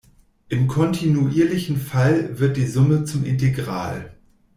Im kontinuierlichen Fall wird die Summe zum Integral.